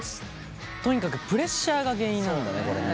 とにかくプレッシャーが原因なんだねこれね。